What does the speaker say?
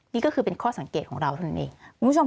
นี่ก็คือเป็นข้อสังเกตของเราทุกนิดหนึ่ง